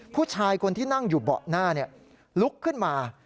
ผู้ชายคนที่นั่งอยู่เบาะหน้าลุกขึ้นมา